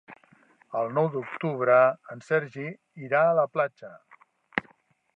El nou d'octubre en Sergi irà a la platja.